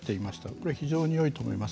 これは非常にいいと思います。